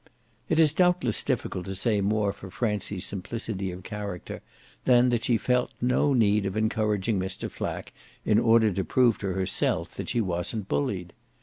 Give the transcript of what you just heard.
It is doubtless difficult to say more for Francie's simplicity of character than that she felt no need of encouraging Mr. Flack in order to prove to herself that she wasn't bullied.